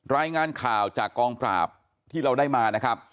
รายงานข่าวจากกองปราบที่เราได้มานะครับ